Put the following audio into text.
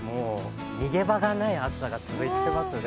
逃げ場がない暑さが続いていますね。